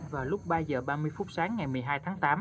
vào lúc ba h ba mươi phút sáng ngày một mươi hai tháng tám